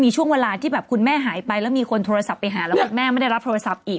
ช่วงเวลาที่แบบคุณแม่หายไปแล้วมีคนโทรศัพท์ไปหาแล้วคุณแม่ไม่ได้รับโทรศัพท์อีก